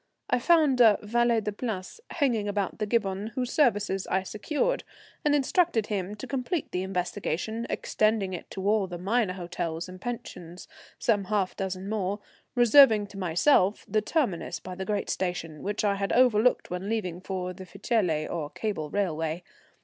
I found a valet de place hanging about the Gibbon, whose services I secured, and instructed him to complete the investigation, extending it to all the minor hotels and pensions, some half dozen more, reserving to myself the terminus by the great station, which I had overlooked when leaving for the Ficelle or cable railway.